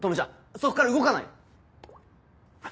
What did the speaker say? そこから動かないで。